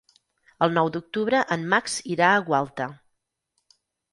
El nou d'octubre en Max irà a Gualta.